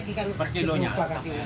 turun turun rp satu